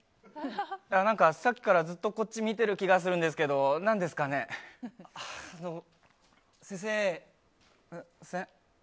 何かさっきからずっとこっち見ている気がするんですけど先生。